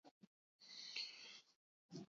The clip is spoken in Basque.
Sedimentu geruza honi esker oso lur aberatsa da.